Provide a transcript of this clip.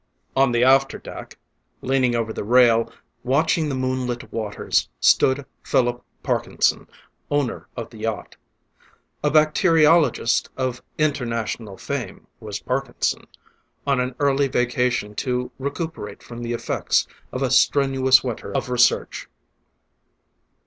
On the after deck, leaning over the rail, watching the moonlit waters, stood Phillip Parkinson, owner of the yacht. A bacteriologist of international fame was Parkinson, on an early vacation to recuperate from the effects of a strenuous winter of research.